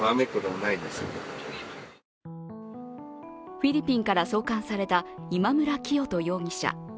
フィリピンから送還された今村磨人容疑者。